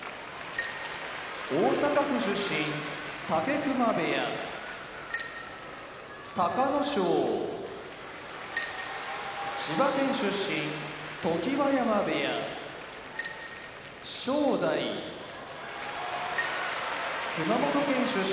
大阪府出身武隈部屋隆の勝千葉県出身常盤山部屋正代熊本県出身